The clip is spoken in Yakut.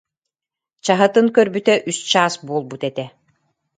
Чаһытын көрбүтэ үс чаас буолбут этэ